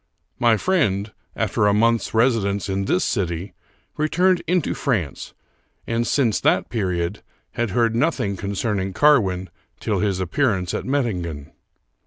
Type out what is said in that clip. My friend, after a month's residence in this city, returned into France, and, since that period, had heard nothing con cerning Carwin till his appearance at Mettingen.